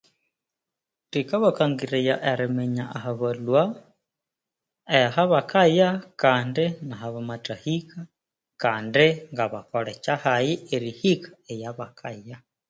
Kikabakangiriraya eriminya aha balhwa kandi nahabamatha hika kandi nahabakaya kandi ngabakole kyahayi erihika ahabakaya